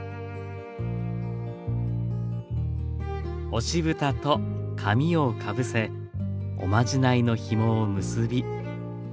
押しぶたと紙をかぶせおまじないのひもを結び。